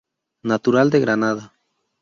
Natural de Granada.